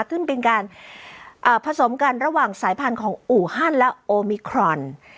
ขึ้นเป็นการผสมกันระหว่างสายพันธุ์ของอู่ฮันและโอมิครอน